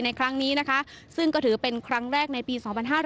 ในครั้งนี้นะคะซึ่งก็ถือเป็นครั้งแรกในปี๒๕๕๙